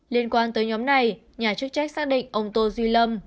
liên quan tới nhóm này nhà chức trách xác định ông tô duy lâm